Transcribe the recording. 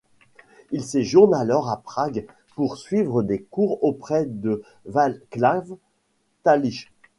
Il séjourne alors à Prague pour suivre des cours auprès de Václav Talich.